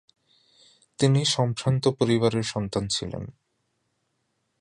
তিনি সম্ভ্রান্ত পরিবারের সন্তান ছিলেন।